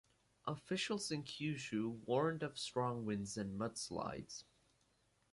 Officials in Kyushu warned of strong winds and mudslides.